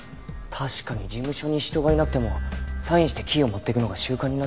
確かに事務所に人がいなくてもサインしてキーを持っていくのが習慣になっていました。